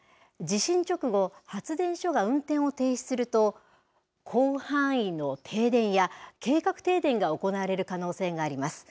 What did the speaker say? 地震直後、発電所が運転を停止すると、広範囲の停電や、計画停電が行われる可能性があります。